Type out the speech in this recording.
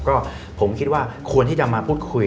ก็ผมคิดว่าควรที่จะมาพูดคุย